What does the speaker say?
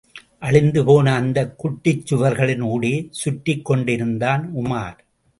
அழிந்துபோன அந்தக் குட்டிச் சுவர்களின் ஊடே சுற்றிக் கொண்டிருந்தான் உமார்.